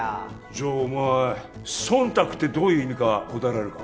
じゃあお前「忖度」ってどういう意味か答えられるか？